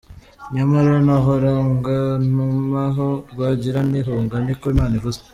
Nyamara nahora ga ntuma ho Rwigara nti hunga niko Imana ivuze.